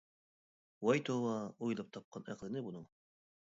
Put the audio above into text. -ۋاي توۋا ئويلاپ تاپقان ئەقلىنى بۇنىڭ.